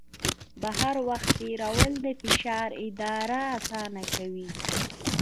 بهر وخت تېرول د فشار اداره اسانه کوي.